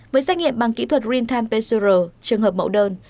với xét nghiệm bằng kỹ thuật rintan pesura trường hợp mẫu đơn